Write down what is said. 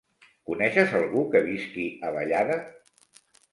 Coneixes algú que visqui a Vallada?